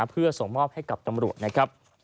เพื่อส่งมอบให้กับตำรวจนะครับ